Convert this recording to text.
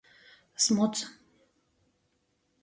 Smuts.